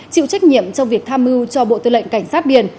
chịu trách nhiệm trong việc tham mưu cho bộ tư lệnh cảnh sát biển